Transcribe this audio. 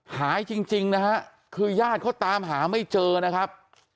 หายจริงนะฮะคือญาติเขาตามหาไม่เจอนะครับ